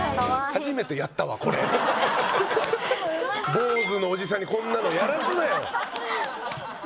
坊主のおじさんにこんなのやらすなよ。